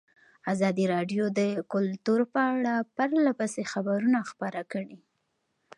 ازادي راډیو د کلتور په اړه پرله پسې خبرونه خپاره کړي.